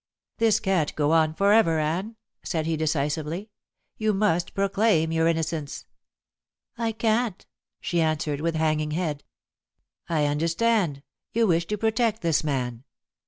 "This can't go on for ever, Anne," said he decisively; "you must proclaim your innocence." "I can't," she answered, with hanging head. "I understand. You wish to protect this man.